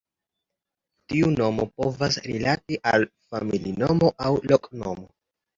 Tiu nomo povas rilati al familinomo aŭ loknomo.